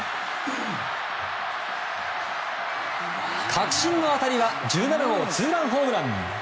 確信の当たりは１７号ツーランホームラン！